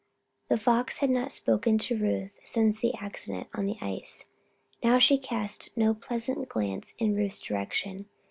The Fox had not spoken to Ruth since the accident on the ice. Now she cast no pleasant glance in Ruth's direction.